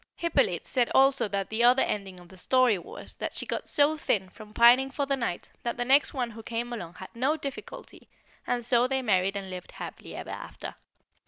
Hippolyte said also that the other ending of the story was, that she got so thin from pining for the knight that the next one who came along had no difficulty, and so they married and lived happy ever after.